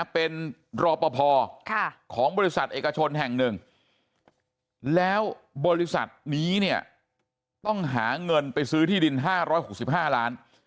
เป็นรอปภของบริษัทเอกชนแห่งหนึ่งแล้วบริษัทนี้เนี่ยต้องหาเงินไปซื้อที่ดิน๕๖๕ล้าน